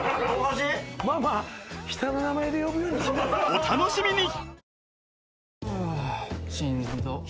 お楽しみに！